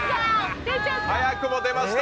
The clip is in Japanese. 早くも出ました